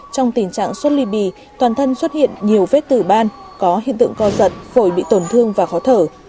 trong tình trạng sốt ly bì toàn thân xuất hiện nhiều vết tử ban có hiện tượng co giật phổi bị tổn thương và khó thở